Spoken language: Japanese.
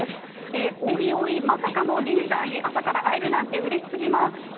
おいおい、まさかのリーダーに朝から会えるなんてうれしすぎます。